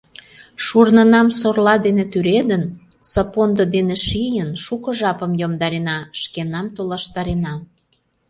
Шурнынам сорла дене тӱредын, сапондо дене шийын, шуко жапым йомдарена, шкенам толаштарена.